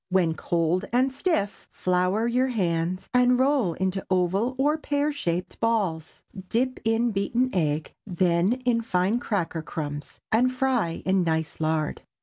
When cold and stiff, flour your hands and roll into oval or pear shaped balls; dip in beaten egg, then in fine cracker crumbs, and fry in nice lard.